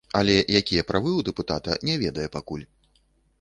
Але якія правы ў дэпутата, не ведае пакуль.